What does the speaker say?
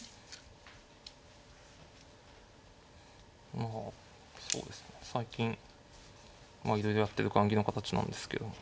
あのそうですね最近いろいろやってる雁木の形なんですけど。